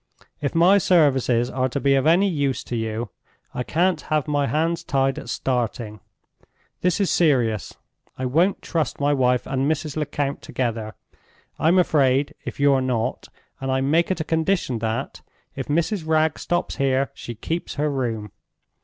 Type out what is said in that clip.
If my services are to be of any use to you, I can't have my hands tied at starting. This is serious. I won't trust my wife and Mrs. Lecount together. I'm afraid, if you're not, and I make it a condition that, if Mrs. Wragge stops here, she keeps her room.